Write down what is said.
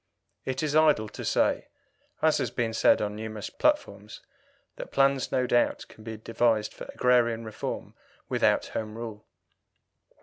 It is idle to say, as has been said on numerous platforms, that plans no doubt can be devised for agrarian reform without Home Rule.